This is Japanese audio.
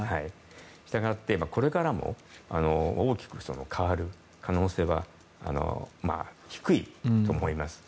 したがってこれからも大きく変わる可能性は低いと思います。